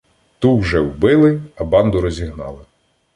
Ту вже вбили, а банду розігнали.